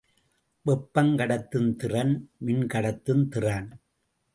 வெப்பங் கடத்தும் திறன், மின்கடத்தும் திறன்.